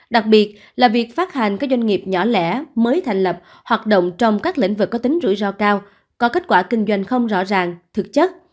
đặc biệt là việc phát hành các doanh nghiệp nhỏ lẻ mới thành lập hoạt động trong các lĩnh vực có tính rủi ro cao có kết quả kinh doanh không rõ ràng thực chất